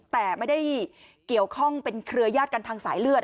แต่ไม่ได้เกี่ยวข้องเป็นเครือยาศกันทางสายเลือด